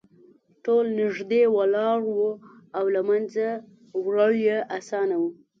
ټول نږدې ولاړ وو او له منځه وړل یې اسانه وو